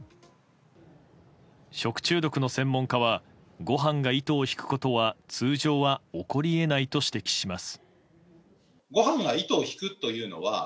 食中毒の専門家はご飯が糸を引くことは通常は起こり得ないと指摘します。